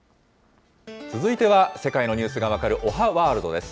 続いては世界のニュースが分かるおはワールドです。